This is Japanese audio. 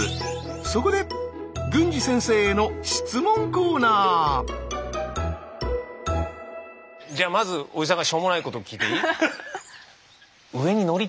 そこでじゃあまずおじさんがしょうもないことを聞いていい？